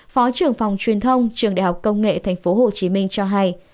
phó trưởng phòng truyền thông trường đh công nghệ tp hcm cho hay